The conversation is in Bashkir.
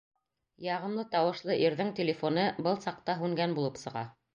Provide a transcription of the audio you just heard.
Яғымлы тауышлы ирҙең телефоны был саҡта һүнгән булып сыға.